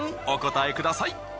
お答えください。